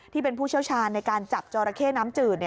ผู้เชี่ยวชาญในการจับจอราเข้น้ำจืด